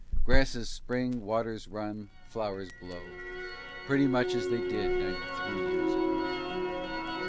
Grasses spring, waters run, flowers blow, Pretty much as they did ninety three years ago.